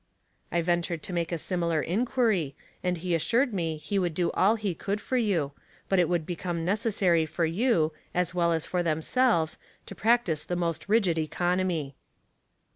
" I ventured to make a similar inquiry, and he assured me he would do all that he could for you, but it would be } necessary for you, as well as for themselve' practise the most rigid economy."